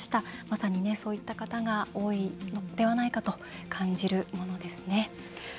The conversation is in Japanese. まさにね、そういった方が多いのではないかと感じるものですね。